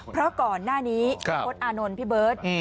เพราะก่อนหน้านี้พี่พศอานนท์พี่เบิร์ต